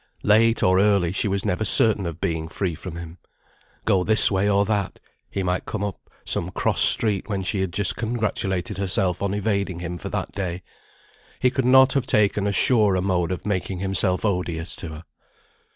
Late or early, she was never certain of being free from him. Go this way or that, he might come up some cross street when she had just congratulated herself on evading him for that day. He could not have taken a surer mode of making himself odious to her.